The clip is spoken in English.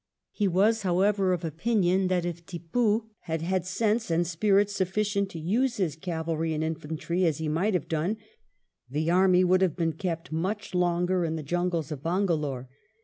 He was, however, of opinion that if Tippoo had had sense and spirit sufficient to use his cavalry and infantry as he might have done, the army would have been kept much longer in the jungles of Bangalore.